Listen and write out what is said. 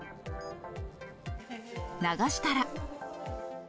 流したら。